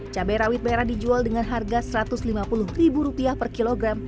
cabai rawit merah dijual dengan harga rp satu ratus lima puluh per kilogram